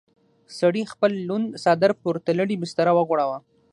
سړي خپل لوند څادر پر تړلې بستره وغوړاوه.